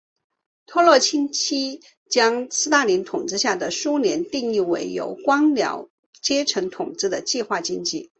托洛茨基将斯大林统治下的苏联定义为由官僚阶层统治的计划经济。